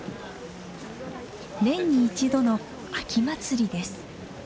年に１度の秋祭りです。